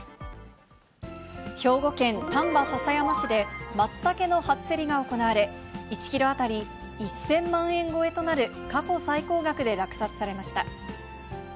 兵庫県丹波篠山市で、マツタケの初競りが行われ、１キロ当たり１０００万円超えとなる、過去最高額で落札されました。